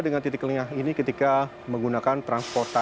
dengan titik lengah ini ketika menggunakan transportasi